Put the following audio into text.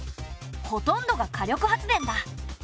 ほとんどが火力発電だ。